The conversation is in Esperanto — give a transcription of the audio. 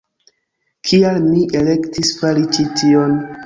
Kial mi elektis fari ĉi tion?